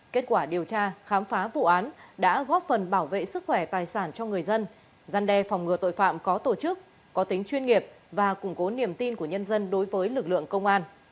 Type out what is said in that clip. kết quả điều tra khám phá vụ án đã góp phần bảo vệ sức khỏe tài sản cho người dân gian đe phòng ngừa tội phạm có tổ chức có tính chuyên nghiệp và củng cố niềm tin của nhân dân đối với lực lượng công an